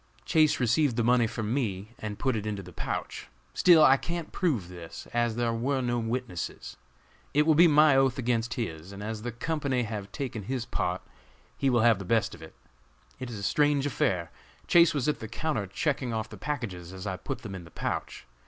Chase received the money from me and put it into the pouch! Still, I can't prove this, as there were no witnesses. It will be my oath against his, and as the company have taken his part, he will have the best of it. It is a strange affair. Chase was at the counter checking off the packages as I put them in the pouch.